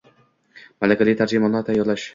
malakali tarjimonlar tayyorlash